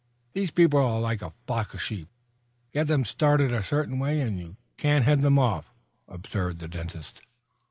These people are like a flock of sheep. Get them started a certain way and you can't head them off," observed the dentist.